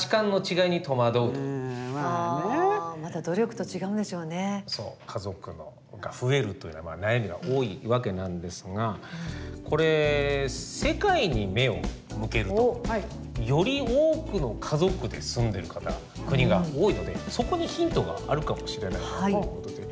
行ってみたけども家族が増えるというのは悩みが多いわけなんですがこれ世界に目を向けるとより多くの家族で住んでる方国が多いのでそこにヒントがあるかもしれないということで。